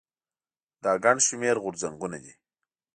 دا ګڼ شمېر غورځنګونه دي.